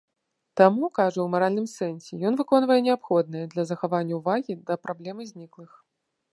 Таму, кажа, у маральным сэнсе ён выконвае неабходнае для захавання ўвагі да праблемы зніклых.